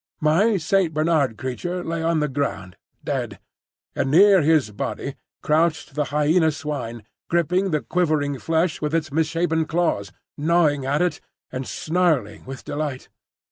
My Saint Bernard creature lay on the ground, dead; and near his body crouched the Hyena swine, gripping the quivering flesh with its misshapen claws, gnawing at it, and snarling with delight.